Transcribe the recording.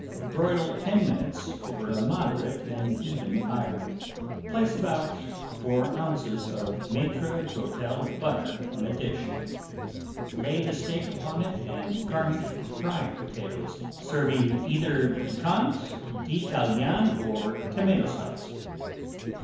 Broil ten minutes over a moderate and even fire. Place about four ounces of maitre d'hotel butter on a dish. Lay the steak upon it and garnish with fried potatoes, serving either piquant, D'Italian, or tomato sauce.